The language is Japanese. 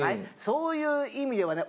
そういう意味ではね